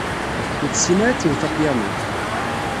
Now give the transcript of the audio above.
Ur tessin ara ad twet apyanu.